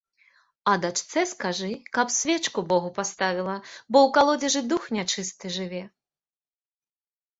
А дачцэ скажы, каб свечку богу паставіла, бо ў калодзежы дух нячысты жыве.